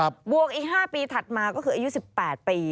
บวกอีก๕ปีถัดมาก็คืออายุ๑๘ปี